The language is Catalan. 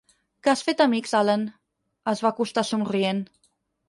Que has fet amics, Allen? —es va acostar somrient.